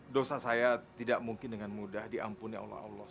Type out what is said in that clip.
dosa saya tidak mungkin dengan mudah diampuni oleh allah